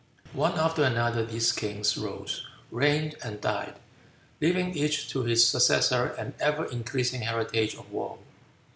One after another these kings rose, reigned, and died, leaving each to his successor an ever increasing heritage of woe.